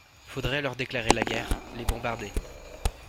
Faudrait leur déclarer la guerre, les bombarder